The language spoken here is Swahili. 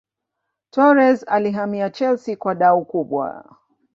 Torres alihamia Chelsea kwa dau kubwa